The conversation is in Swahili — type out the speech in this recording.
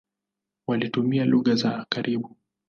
Walitumia lugha za karibu.